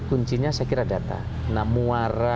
kuncinya saya kira data nah muara